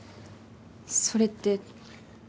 それって。